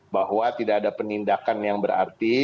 bahwa tidak ada penindakan yang berarti